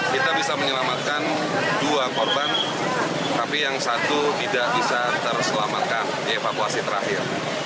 kita bisa menyelamatkan dua korban tapi yang satu tidak bisa terselamatkan dievakuasi terakhir